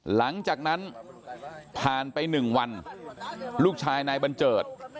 หลังจากนั้นผ่านไป๑วันลูกชายนายบัญเจิด